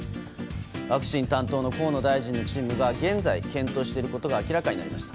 ワクチン担当の河野大臣のチームが現在、検討していることが明らかになりました。